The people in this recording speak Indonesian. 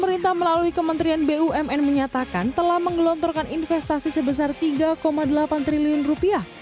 pemerintah melalui kementerian bumn menyatakan telah menggelontorkan investasi sebesar tiga delapan triliun rupiah